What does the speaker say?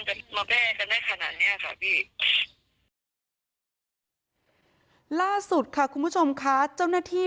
เจ้าหน้าที่บัญคับนี้บ่อยมากนะครับ